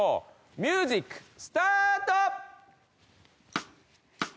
ミュージックスタート！